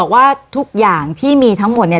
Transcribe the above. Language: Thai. ว่าทุกอย่างที่มีทั้งหมดเนี่ย